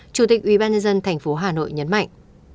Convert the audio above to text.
chủ tịch ubnd tp hà nội nhấn mạnh